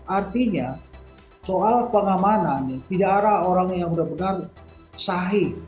artinya soal pengamanan tidak ada orang yang benar benar sahih